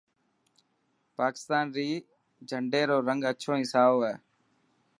پاڪستان ري جهنڊي رو رنگ اڇو ۽ سائو هي.